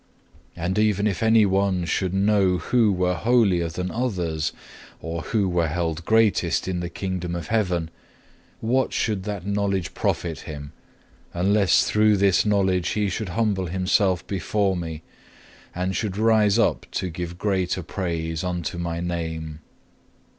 And even if any one should know who were holier than others, or who were held greatest in the Kingdom of Heaven; what should that knowledge profit him, unless through this knowledge he should humble himself before Me, and should rise up to give greater praise unto My name?